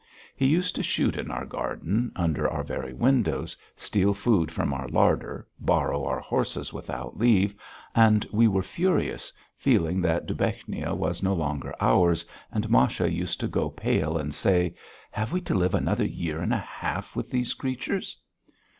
He used to shoot in our garden, under our very windows, steal food from our larder, borrow our horses without leave, and we were furious, feeling that Dubechnia was no longer ours, and Masha used to go pale and say: "Have we to live another year and a half with these creatures?"